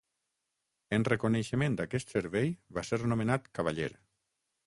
En reconeixement a aquest servei va ser nomenat cavaller.